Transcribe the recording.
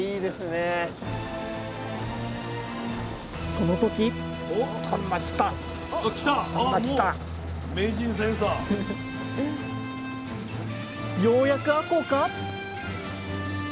その時ようやくあこうか？